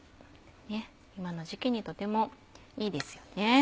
今の時期にとてもいいですよね。